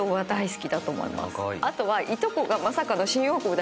あとは。